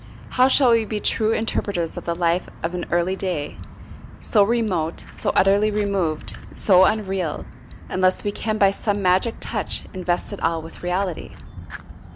How shall we be true interpreters of the life of an early day, so remote, so utterly removed, so unreal, unless we can by some magic touch invest it all with reality?